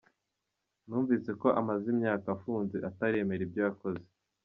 Numvise ko amaze imyaka afunze ataremera ibyo yakoze.